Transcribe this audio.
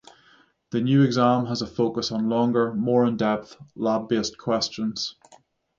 The new exam has a focus on longer, more in depth, lab-based questions.